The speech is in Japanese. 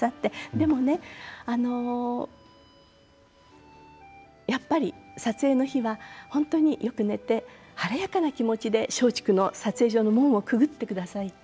でもね、やっぱり撮影の日は本当によく寝て晴れやかな気持ちで松竹の撮影所の門をくぐってくださいって。